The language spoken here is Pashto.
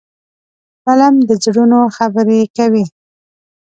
فلم د زړونو خبرې کوي